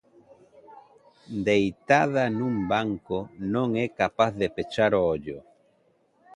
Deitada nun banco, non é capaz de pechar o ollo.